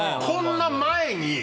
こんな前に！